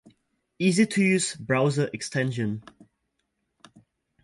Easy to use browser extension